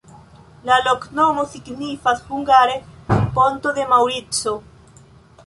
La loknomo signifas hungare: ponto de Maŭrico.